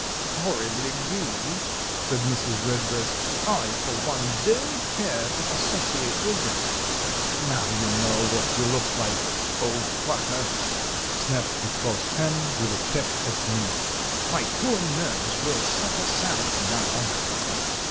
"Horribly greedy," said Mrs. Redbreast. "I for one don't care to associate with them." "Now you know what you look like, old quacker," snapped the cross hen, with a peck at me. "My poor nerves will suffer sadly now."